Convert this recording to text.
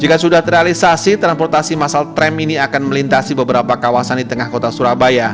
jika sudah terrealisasi transportasi masal tram ini akan melintasi beberapa kawasan di tengah kota surabaya